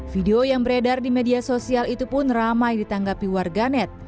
video yang beredar di media sosial itu pun ramai ditanggapi warganet